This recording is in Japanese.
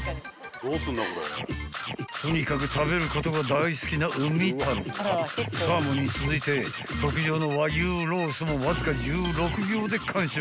［とにかく食べることが大好きな海太郎はサーモンに続いて特上の和牛ロースもわずか１６秒で完食］